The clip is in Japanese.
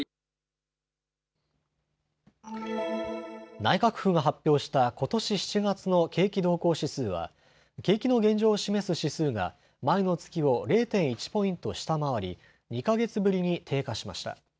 内閣府が発表したことし７月の景気動向指数は景気の現状を示す指数が前の月を０．１ポイント下回り、２か月ぶりに低下しました。